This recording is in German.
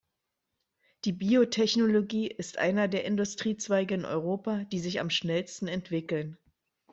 Die Biotechnologie ist einer der Industriezweige in Europa, die sich am schnellsten entwickeln.